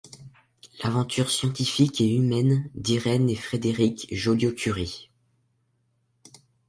L’aventure scientifique et humaine d’Irène et Frédéric Joliot-Curie.